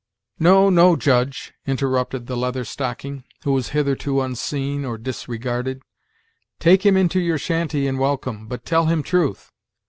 "No, no, Judge," interrupted the Leather Stocking, who was hitherto unseen, or disregarded; "take him into your shanty in welcome, but tell him truth.